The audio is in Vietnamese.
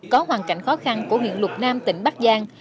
có hoàn cảnh khó khăn của huyện lục nam tỉnh bắc giang